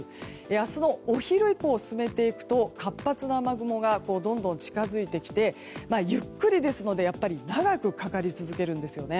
明日のお昼以降、進めていくと活発な雨雲がどんどん近づいてきてゆっくりですので長くかかり続けるんですよね。